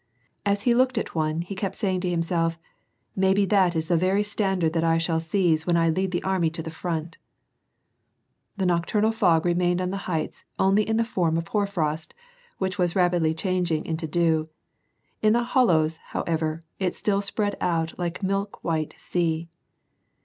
As he looked at one he kept saying to himself :^' Maybe that is the very standard that 1 shall seize when I lead the army to the front !" The nocturnal fog now remained on the heights only in the form of hoar frost, which was rapidly changing into dew ; in the hollows, however, it still spread out like a milk white sea.